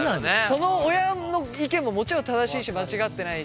その親の意見ももちろん正しいし間違ってないし。